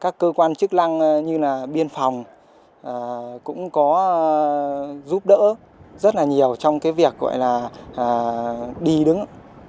các cơ quan chức năng như là biên phòng cũng có giúp đỡ rất là nhiều trong cái việc gọi là đi đứng